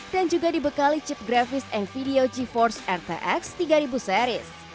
dan juga dibekali chip grafis nvidia geforce r sepuluh